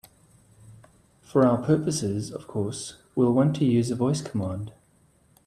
For our purposes, of course, we'll want to use a voice command.